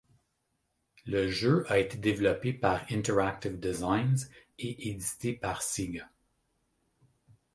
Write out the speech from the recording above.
Le jeu a été développé par Interactive Designs et édité par Sega.